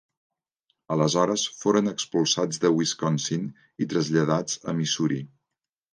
Aleshores foren expulsats de Wisconsin i traslladats a Missouri.